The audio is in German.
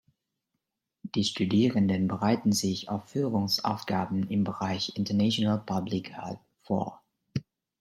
Die Studierenden bereiten sich auf Führungsaufgaben im Bereich International Public Health vor.